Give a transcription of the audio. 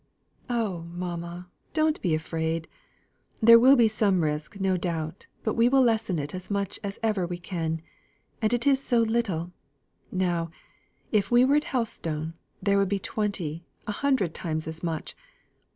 "Oh, mamma, don't be afraid. There will be some risk, no doubt; but we will lessen it as much as ever we can. And it is so little! Now, if we were at Helstone, there would be twenty a hundred times as much.